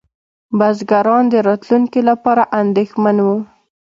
بزګران د راتلونکي لپاره اندېښمن وو.